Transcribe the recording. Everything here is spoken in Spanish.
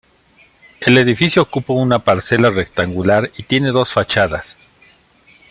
El edificio ocupa una parcela rectangular y tiene dos fachadas.